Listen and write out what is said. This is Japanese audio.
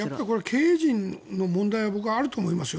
経営陣の問題はあると思いますよ。